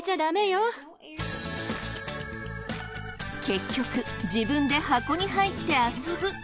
結局自分で箱に入って遊ぶ。